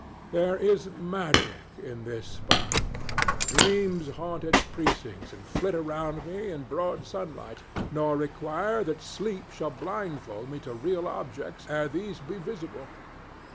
There is a magic in this spot. Dreams haunt its precincts and flit around me in broad sunlight, nor require that sleep shall blindfold me to real objects ere these be visible.